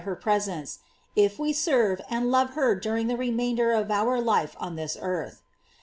her presence, if we serve and love her during the remainder of our life on this earth.